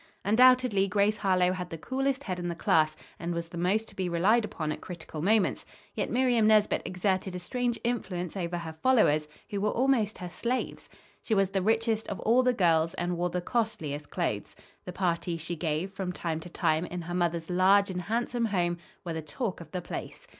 Undoubtedly Grace Harlowe had the coolest head in the class, and was the most to be relied upon at critical moments; yet Miriam Nesbit exerted a strange influence over her followers, who were almost her slaves. She was the richest of all the girls and wore the costliest clothes. The parties she gave, from time to time, in her mother's large and handsome home were the talk of the place.